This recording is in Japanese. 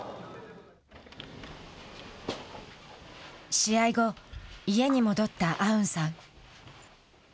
試合後、家に戻ったアウンさん。